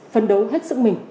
phân đấu hết sức mình